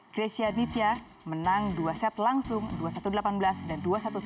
grecia nitya menang dua set langsung dua puluh satu delapan belas dan dua puluh satu tiga belas